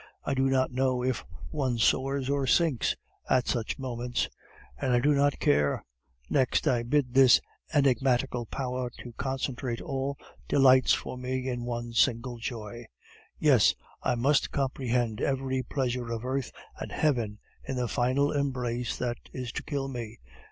I do not know if one soars or sinks at such moments, and I do not care! Next, I bid this enigmatical power to concentrate all delights for me in one single joy. Yes, I must comprehend every pleasure of earth and heaven in the final embrace that is to kill me.